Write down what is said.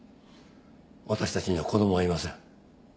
私たちには子供はいません。